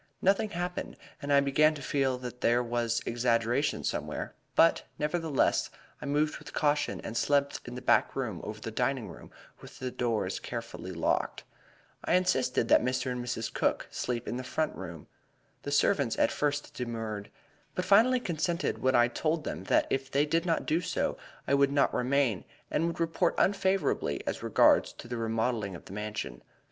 Nothing happened, and I began to feel that there was exaggeration somewhere; but, nevertheless, I moved with caution and slept in the back room over the dining room with the doors carefully locked. I insisted that Mr. and Mrs. Cook sleep in the front room. The servants at first demurred, but finally consented when I told them that if they did not do so I would not remain, and would report unfavorably as regards the remodeling of the Mansion.